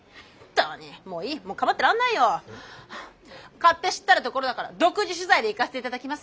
勝手知ったるところだから独自取材でいかせて頂きます！